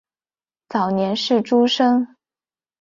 早年是诸生。